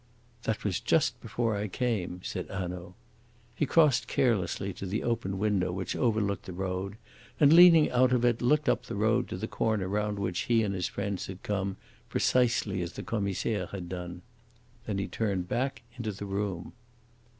"That was just before I came," said Hanaud. He crossed carelessly to the open window which overlooked the road and, leaning out of it, looked up the road to the corner round which he and his friends had come, precisely as the Commissaire had done. Then he turned back into the room.